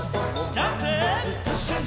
ジャンプ！